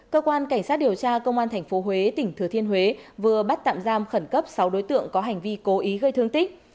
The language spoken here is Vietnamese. cơ quan cảnh sát điều tra công an tp huế tỉnh thừa thiên huế vừa bắt tạm giam khẩn cấp sáu đối tượng có hành vi cố ý gây thương tích